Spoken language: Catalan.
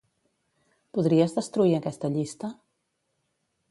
Podries destruir aquesta llista?